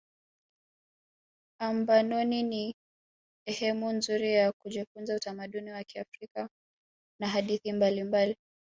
ambanoni ni ehemu nzuri ya kujifunza utamaduni wa kiafrika na hadithi mbalimbali